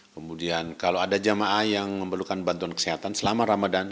kemudian kalau ada jamaah yang memerlukan bantuan kesehatan selama ramadan